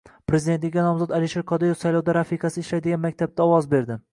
Prezidentlikka nomzod Alisher Qodirov saylovda rafiqasi ishlaydigan maktabda ovoz berdi